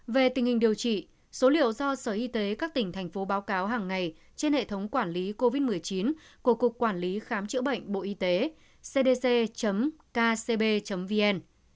về tình hình điều trị số liệu do sở y tế các tỉnh thành phố báo cáo hàng ngày trên hệ thống quản lý covid một mươi chín của cục quản lý khám chữa bệnh bộ y tế cdc kcb vn